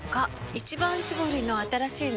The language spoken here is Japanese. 「一番搾り」の新しいの？